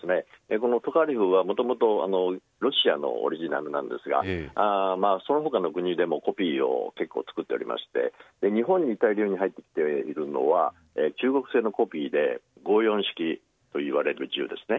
このトカレフはもともとロシアのオリジナルですがその他の国でもコピーを結構作っておりまして日本に大量に入ってきているのは中国製のコピーで５４式といわれる銃ですね。